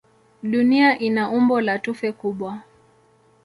Dunia ina umbo la tufe kubwa.